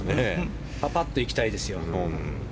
パパッと行きたいですよ。